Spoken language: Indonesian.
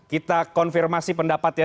kita konfirmasi pendapat ya